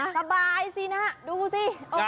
สบายสินะดูสิ